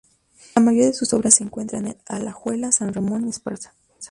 La mayoría de sus obras se encuentran en Alajuela, San Ramón y Esparza.